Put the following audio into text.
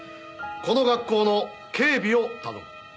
この学校の警備を頼む。